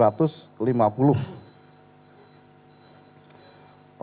dan perempuan yang disurvei lima puluh jiwa